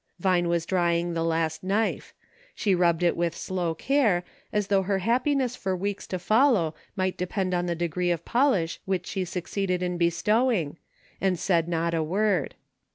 " Vine was drving the last knife ; she rubbed it with slow care, as though her happiness for weeks to follow, might depend on the degree of polish which she succeeded in bestowing, and said not a word.